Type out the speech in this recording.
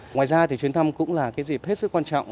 ngoài ra thì chuyến thăm cũng là cái dịp hết sức quan trọng